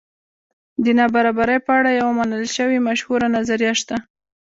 د نابرابرۍ په اړه یوه منل شوې مشهوره نظریه شته.